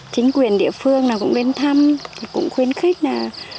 chính quyền địa phương cũng đến thăm cũng khuyến khích là